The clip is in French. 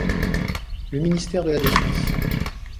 Le Ministère de la Défense.